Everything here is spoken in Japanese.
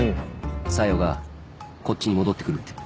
小夜がこっちに戻ってくるって。